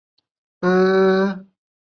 昂格莱。